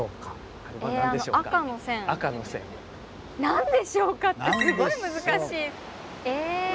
何でしょうかってすごい難しい！え？